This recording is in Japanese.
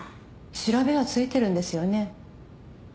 調べはついてるんですよね？